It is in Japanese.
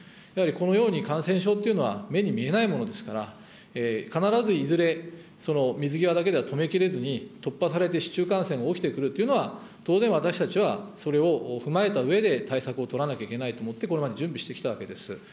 やはりこのように感染症というのは目に見えないものですから、必ず、いずれ水際だけでは止めきれずに、突破されて市中感染が起きてくるというのは、当然、私たちはそれを踏まえたうえで対策を取らなきゃいけないと思って、これまで準備してきたわけです。